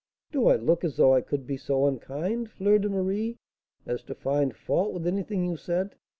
"Do I look as though I could be so unkind, Fleur de Marie, as to find fault with anything you said?"